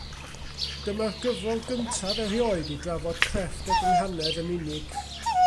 Dyma'r gyfrol gyntaf erioed i drafod crefft y gynghanedd yn unig.